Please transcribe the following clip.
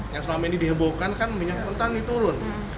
yang selama ini dihebohkan kan minyak mentah diturun